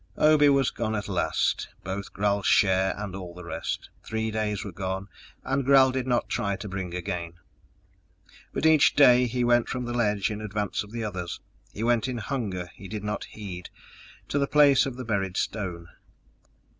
Obe was gone at last, both Gral's share and all the rest. Three days were gone and Gral did not try to bring again. But each day he went from the ledge in advance of the others, he went in a hunger he did not heed to the place of the buried stone.